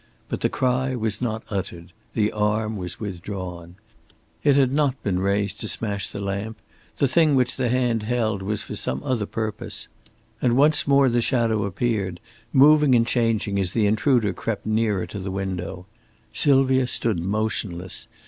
But the cry was not uttered, the arm was withdrawn. It had not been raised to smash the lamp, the thing which the hand held was for some other purpose. And once more the shadow appeared moving and changing as the intruder crept nearer to the window. Sylvia stood motionless.